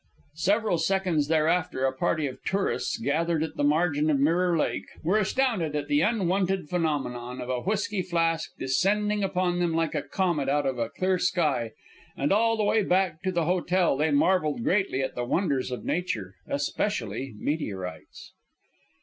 Several seconds thereafter a party of tourists, gathered at the margin of Mirror Lake, were astounded at the unwonted phenomenon of a whisky flask descending upon them like a comet out of a clear sky; and all the way back to the hotel they marveled greatly at the wonders of nature, especially meteorites.